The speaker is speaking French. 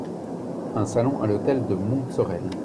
Un salon à l’hôtel de Montsorel.